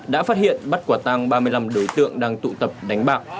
đã phát hiện bắt quả tăng ba mươi năm đối tượng đang tụ tập đánh bạc